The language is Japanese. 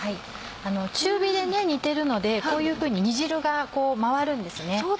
中火で煮てるのでこういうふうに煮汁が回るんですね。